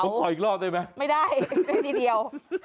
ผมขออีกรอบได้ไหมไม่ได้เลยทีเดียว